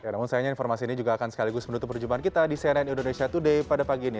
namun sayangnya informasi ini juga akan sekaligus menutup perjumpaan kita di cnn indonesia today pada pagi ini